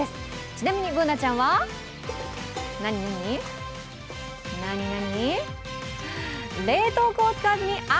ちなみにＢｏｏｎａちゃんは何々？